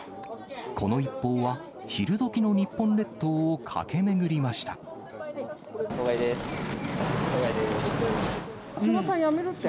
この一報は、昼どきの日本列島を駆け巡りました。